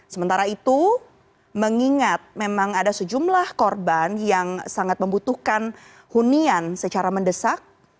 sementara itu mengingat memang ada sejumlah korban yang sangat membutuhkan hunian secara mendesak